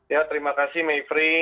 ya terima kasih mayfrey